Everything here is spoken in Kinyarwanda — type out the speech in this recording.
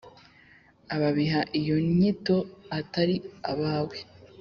Ababiha iyo nyito atari abawe,